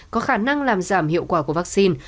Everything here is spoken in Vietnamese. có khả năng làm giảm hiệu quả của vaccine